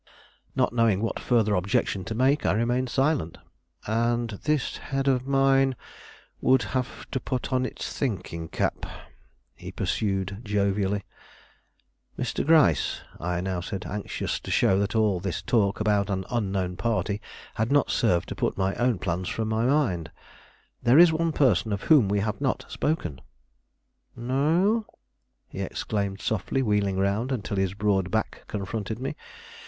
Not knowing what further objection to make, I remained silent. "And this head of mine would have to put on its thinking cap," he pursued jovially. "Mr. Gryce," I now said, anxious to show that all this talk about an unknown party had not served to put my own plans from my mind, "there is one person of whom we have not spoken." "No?" he exclaimed softly, wheeling around until his broad back confronted me.